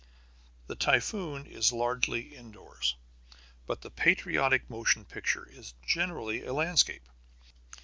The Typhoon is largely indoors. But the Patriotic Motion Picture is generally a landscape.